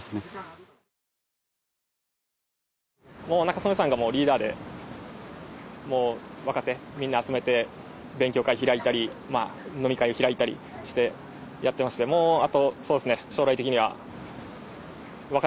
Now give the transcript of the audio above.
もう仲宗根さんがリーダーで若手みんな集めて勉強会開いたり飲み会を開いたりしてやってましてもうあとそうですね。